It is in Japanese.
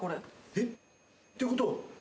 えっ！ってことは。